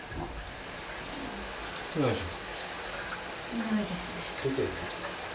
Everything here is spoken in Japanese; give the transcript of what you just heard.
いないですね。